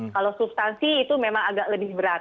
kalau substansi itu memang agak lebih berat